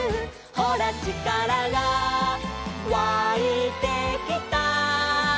「ほらちからがわいてきた」